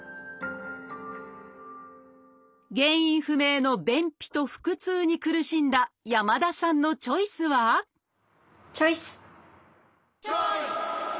原因不明の便秘と腹痛に苦しんだ山田さんのチョイスはチョイス！